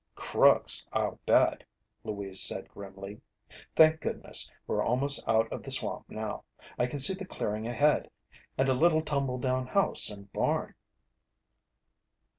"Crooks, I'll bet," Louise said grimly. "Thank goodness, we're almost out of the swamp now. I can see the clearing ahead and a little tumbledown house and barn."